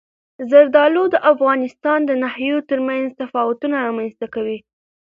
زردالو د افغانستان د ناحیو ترمنځ تفاوتونه رامنځته کوي.